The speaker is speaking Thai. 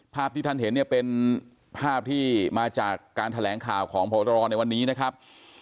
ภาพที่ท่านเห็นเนี่ยเป็นภาพที่มาจากการแถลงข่าวของพบตรในวันนี้นะครับ